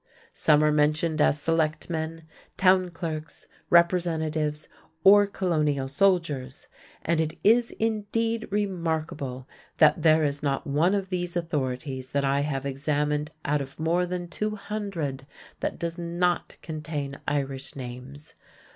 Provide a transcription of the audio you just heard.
Some are mentioned as selectmen, town clerks, representatives, or colonial soldiers, and it is indeed remarkable that there is not one of these authorities that I have examined, out of more than two hundred, that does not contain Irish names.